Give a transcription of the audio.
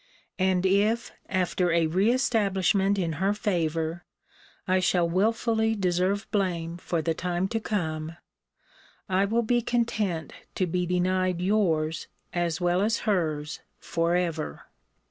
And if, after a re establishment in her favour, I shall wilfully deserve blame for the time to come, I will be content to be denied yours as well as hers for ever.